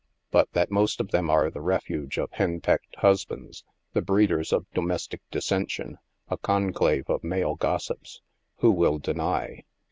But that most of them are the refuge of henpecked husbands, the breed ers of domestic dissention, a conclave of male gossips — who will deny